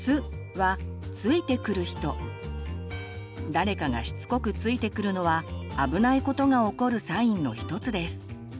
「つ」は誰かがしつこくついてくるのはあぶないことが起こるサインの一つです。